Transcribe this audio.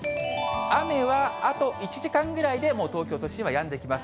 雨はあと１時間ぐらいで、もう東京都心はやんできます。